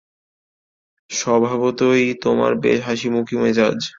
স্বভাবতই তোমার বেশ হাসিখুশী মেজাজ।